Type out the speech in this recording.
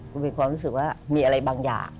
ก็มีความรู้สึกว่ามีอะไรบางอย่าง